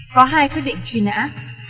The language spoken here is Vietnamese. có hai quyết định chuyên án